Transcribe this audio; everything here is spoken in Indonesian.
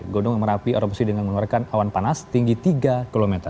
gunung merapi erupsi dengan mengeluarkan awan panas tinggi tiga km